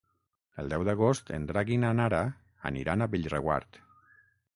El deu d'agost en Drac i na Nara aniran a Bellreguard.